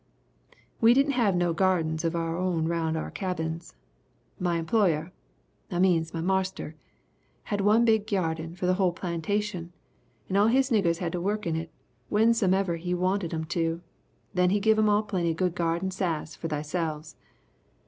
"We didn' have no gardens of our own round our cabins. My employer I means, my marster had one big gyarden for our whole plantation and all his niggers had to work in it whensomever he wanted 'em to, then he give 'em all plenty good gyarden sass for theyselfs.